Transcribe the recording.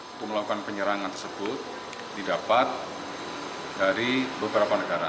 untuk melakukan penyerangan tersebut didapat dari beberapa negara